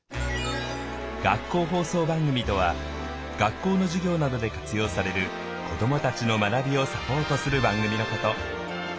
学校放送番組とは学校の授業などで活用される子どもたちの学びをサポートする番組のこと。